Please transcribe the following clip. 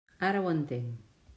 Ara ho entenc.